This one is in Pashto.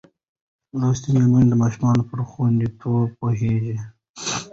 لوستې میندې د ماشوم پر خوندیتوب پوهېږي.